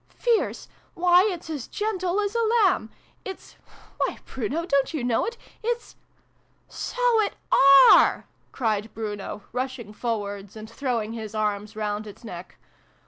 " Fierce ! Why, it's as gentle as a lamb ! It's why, Bruno, don't you know it ? It's " So it are !" cried Bruno, rushing forwards and throwing his arms round its neck.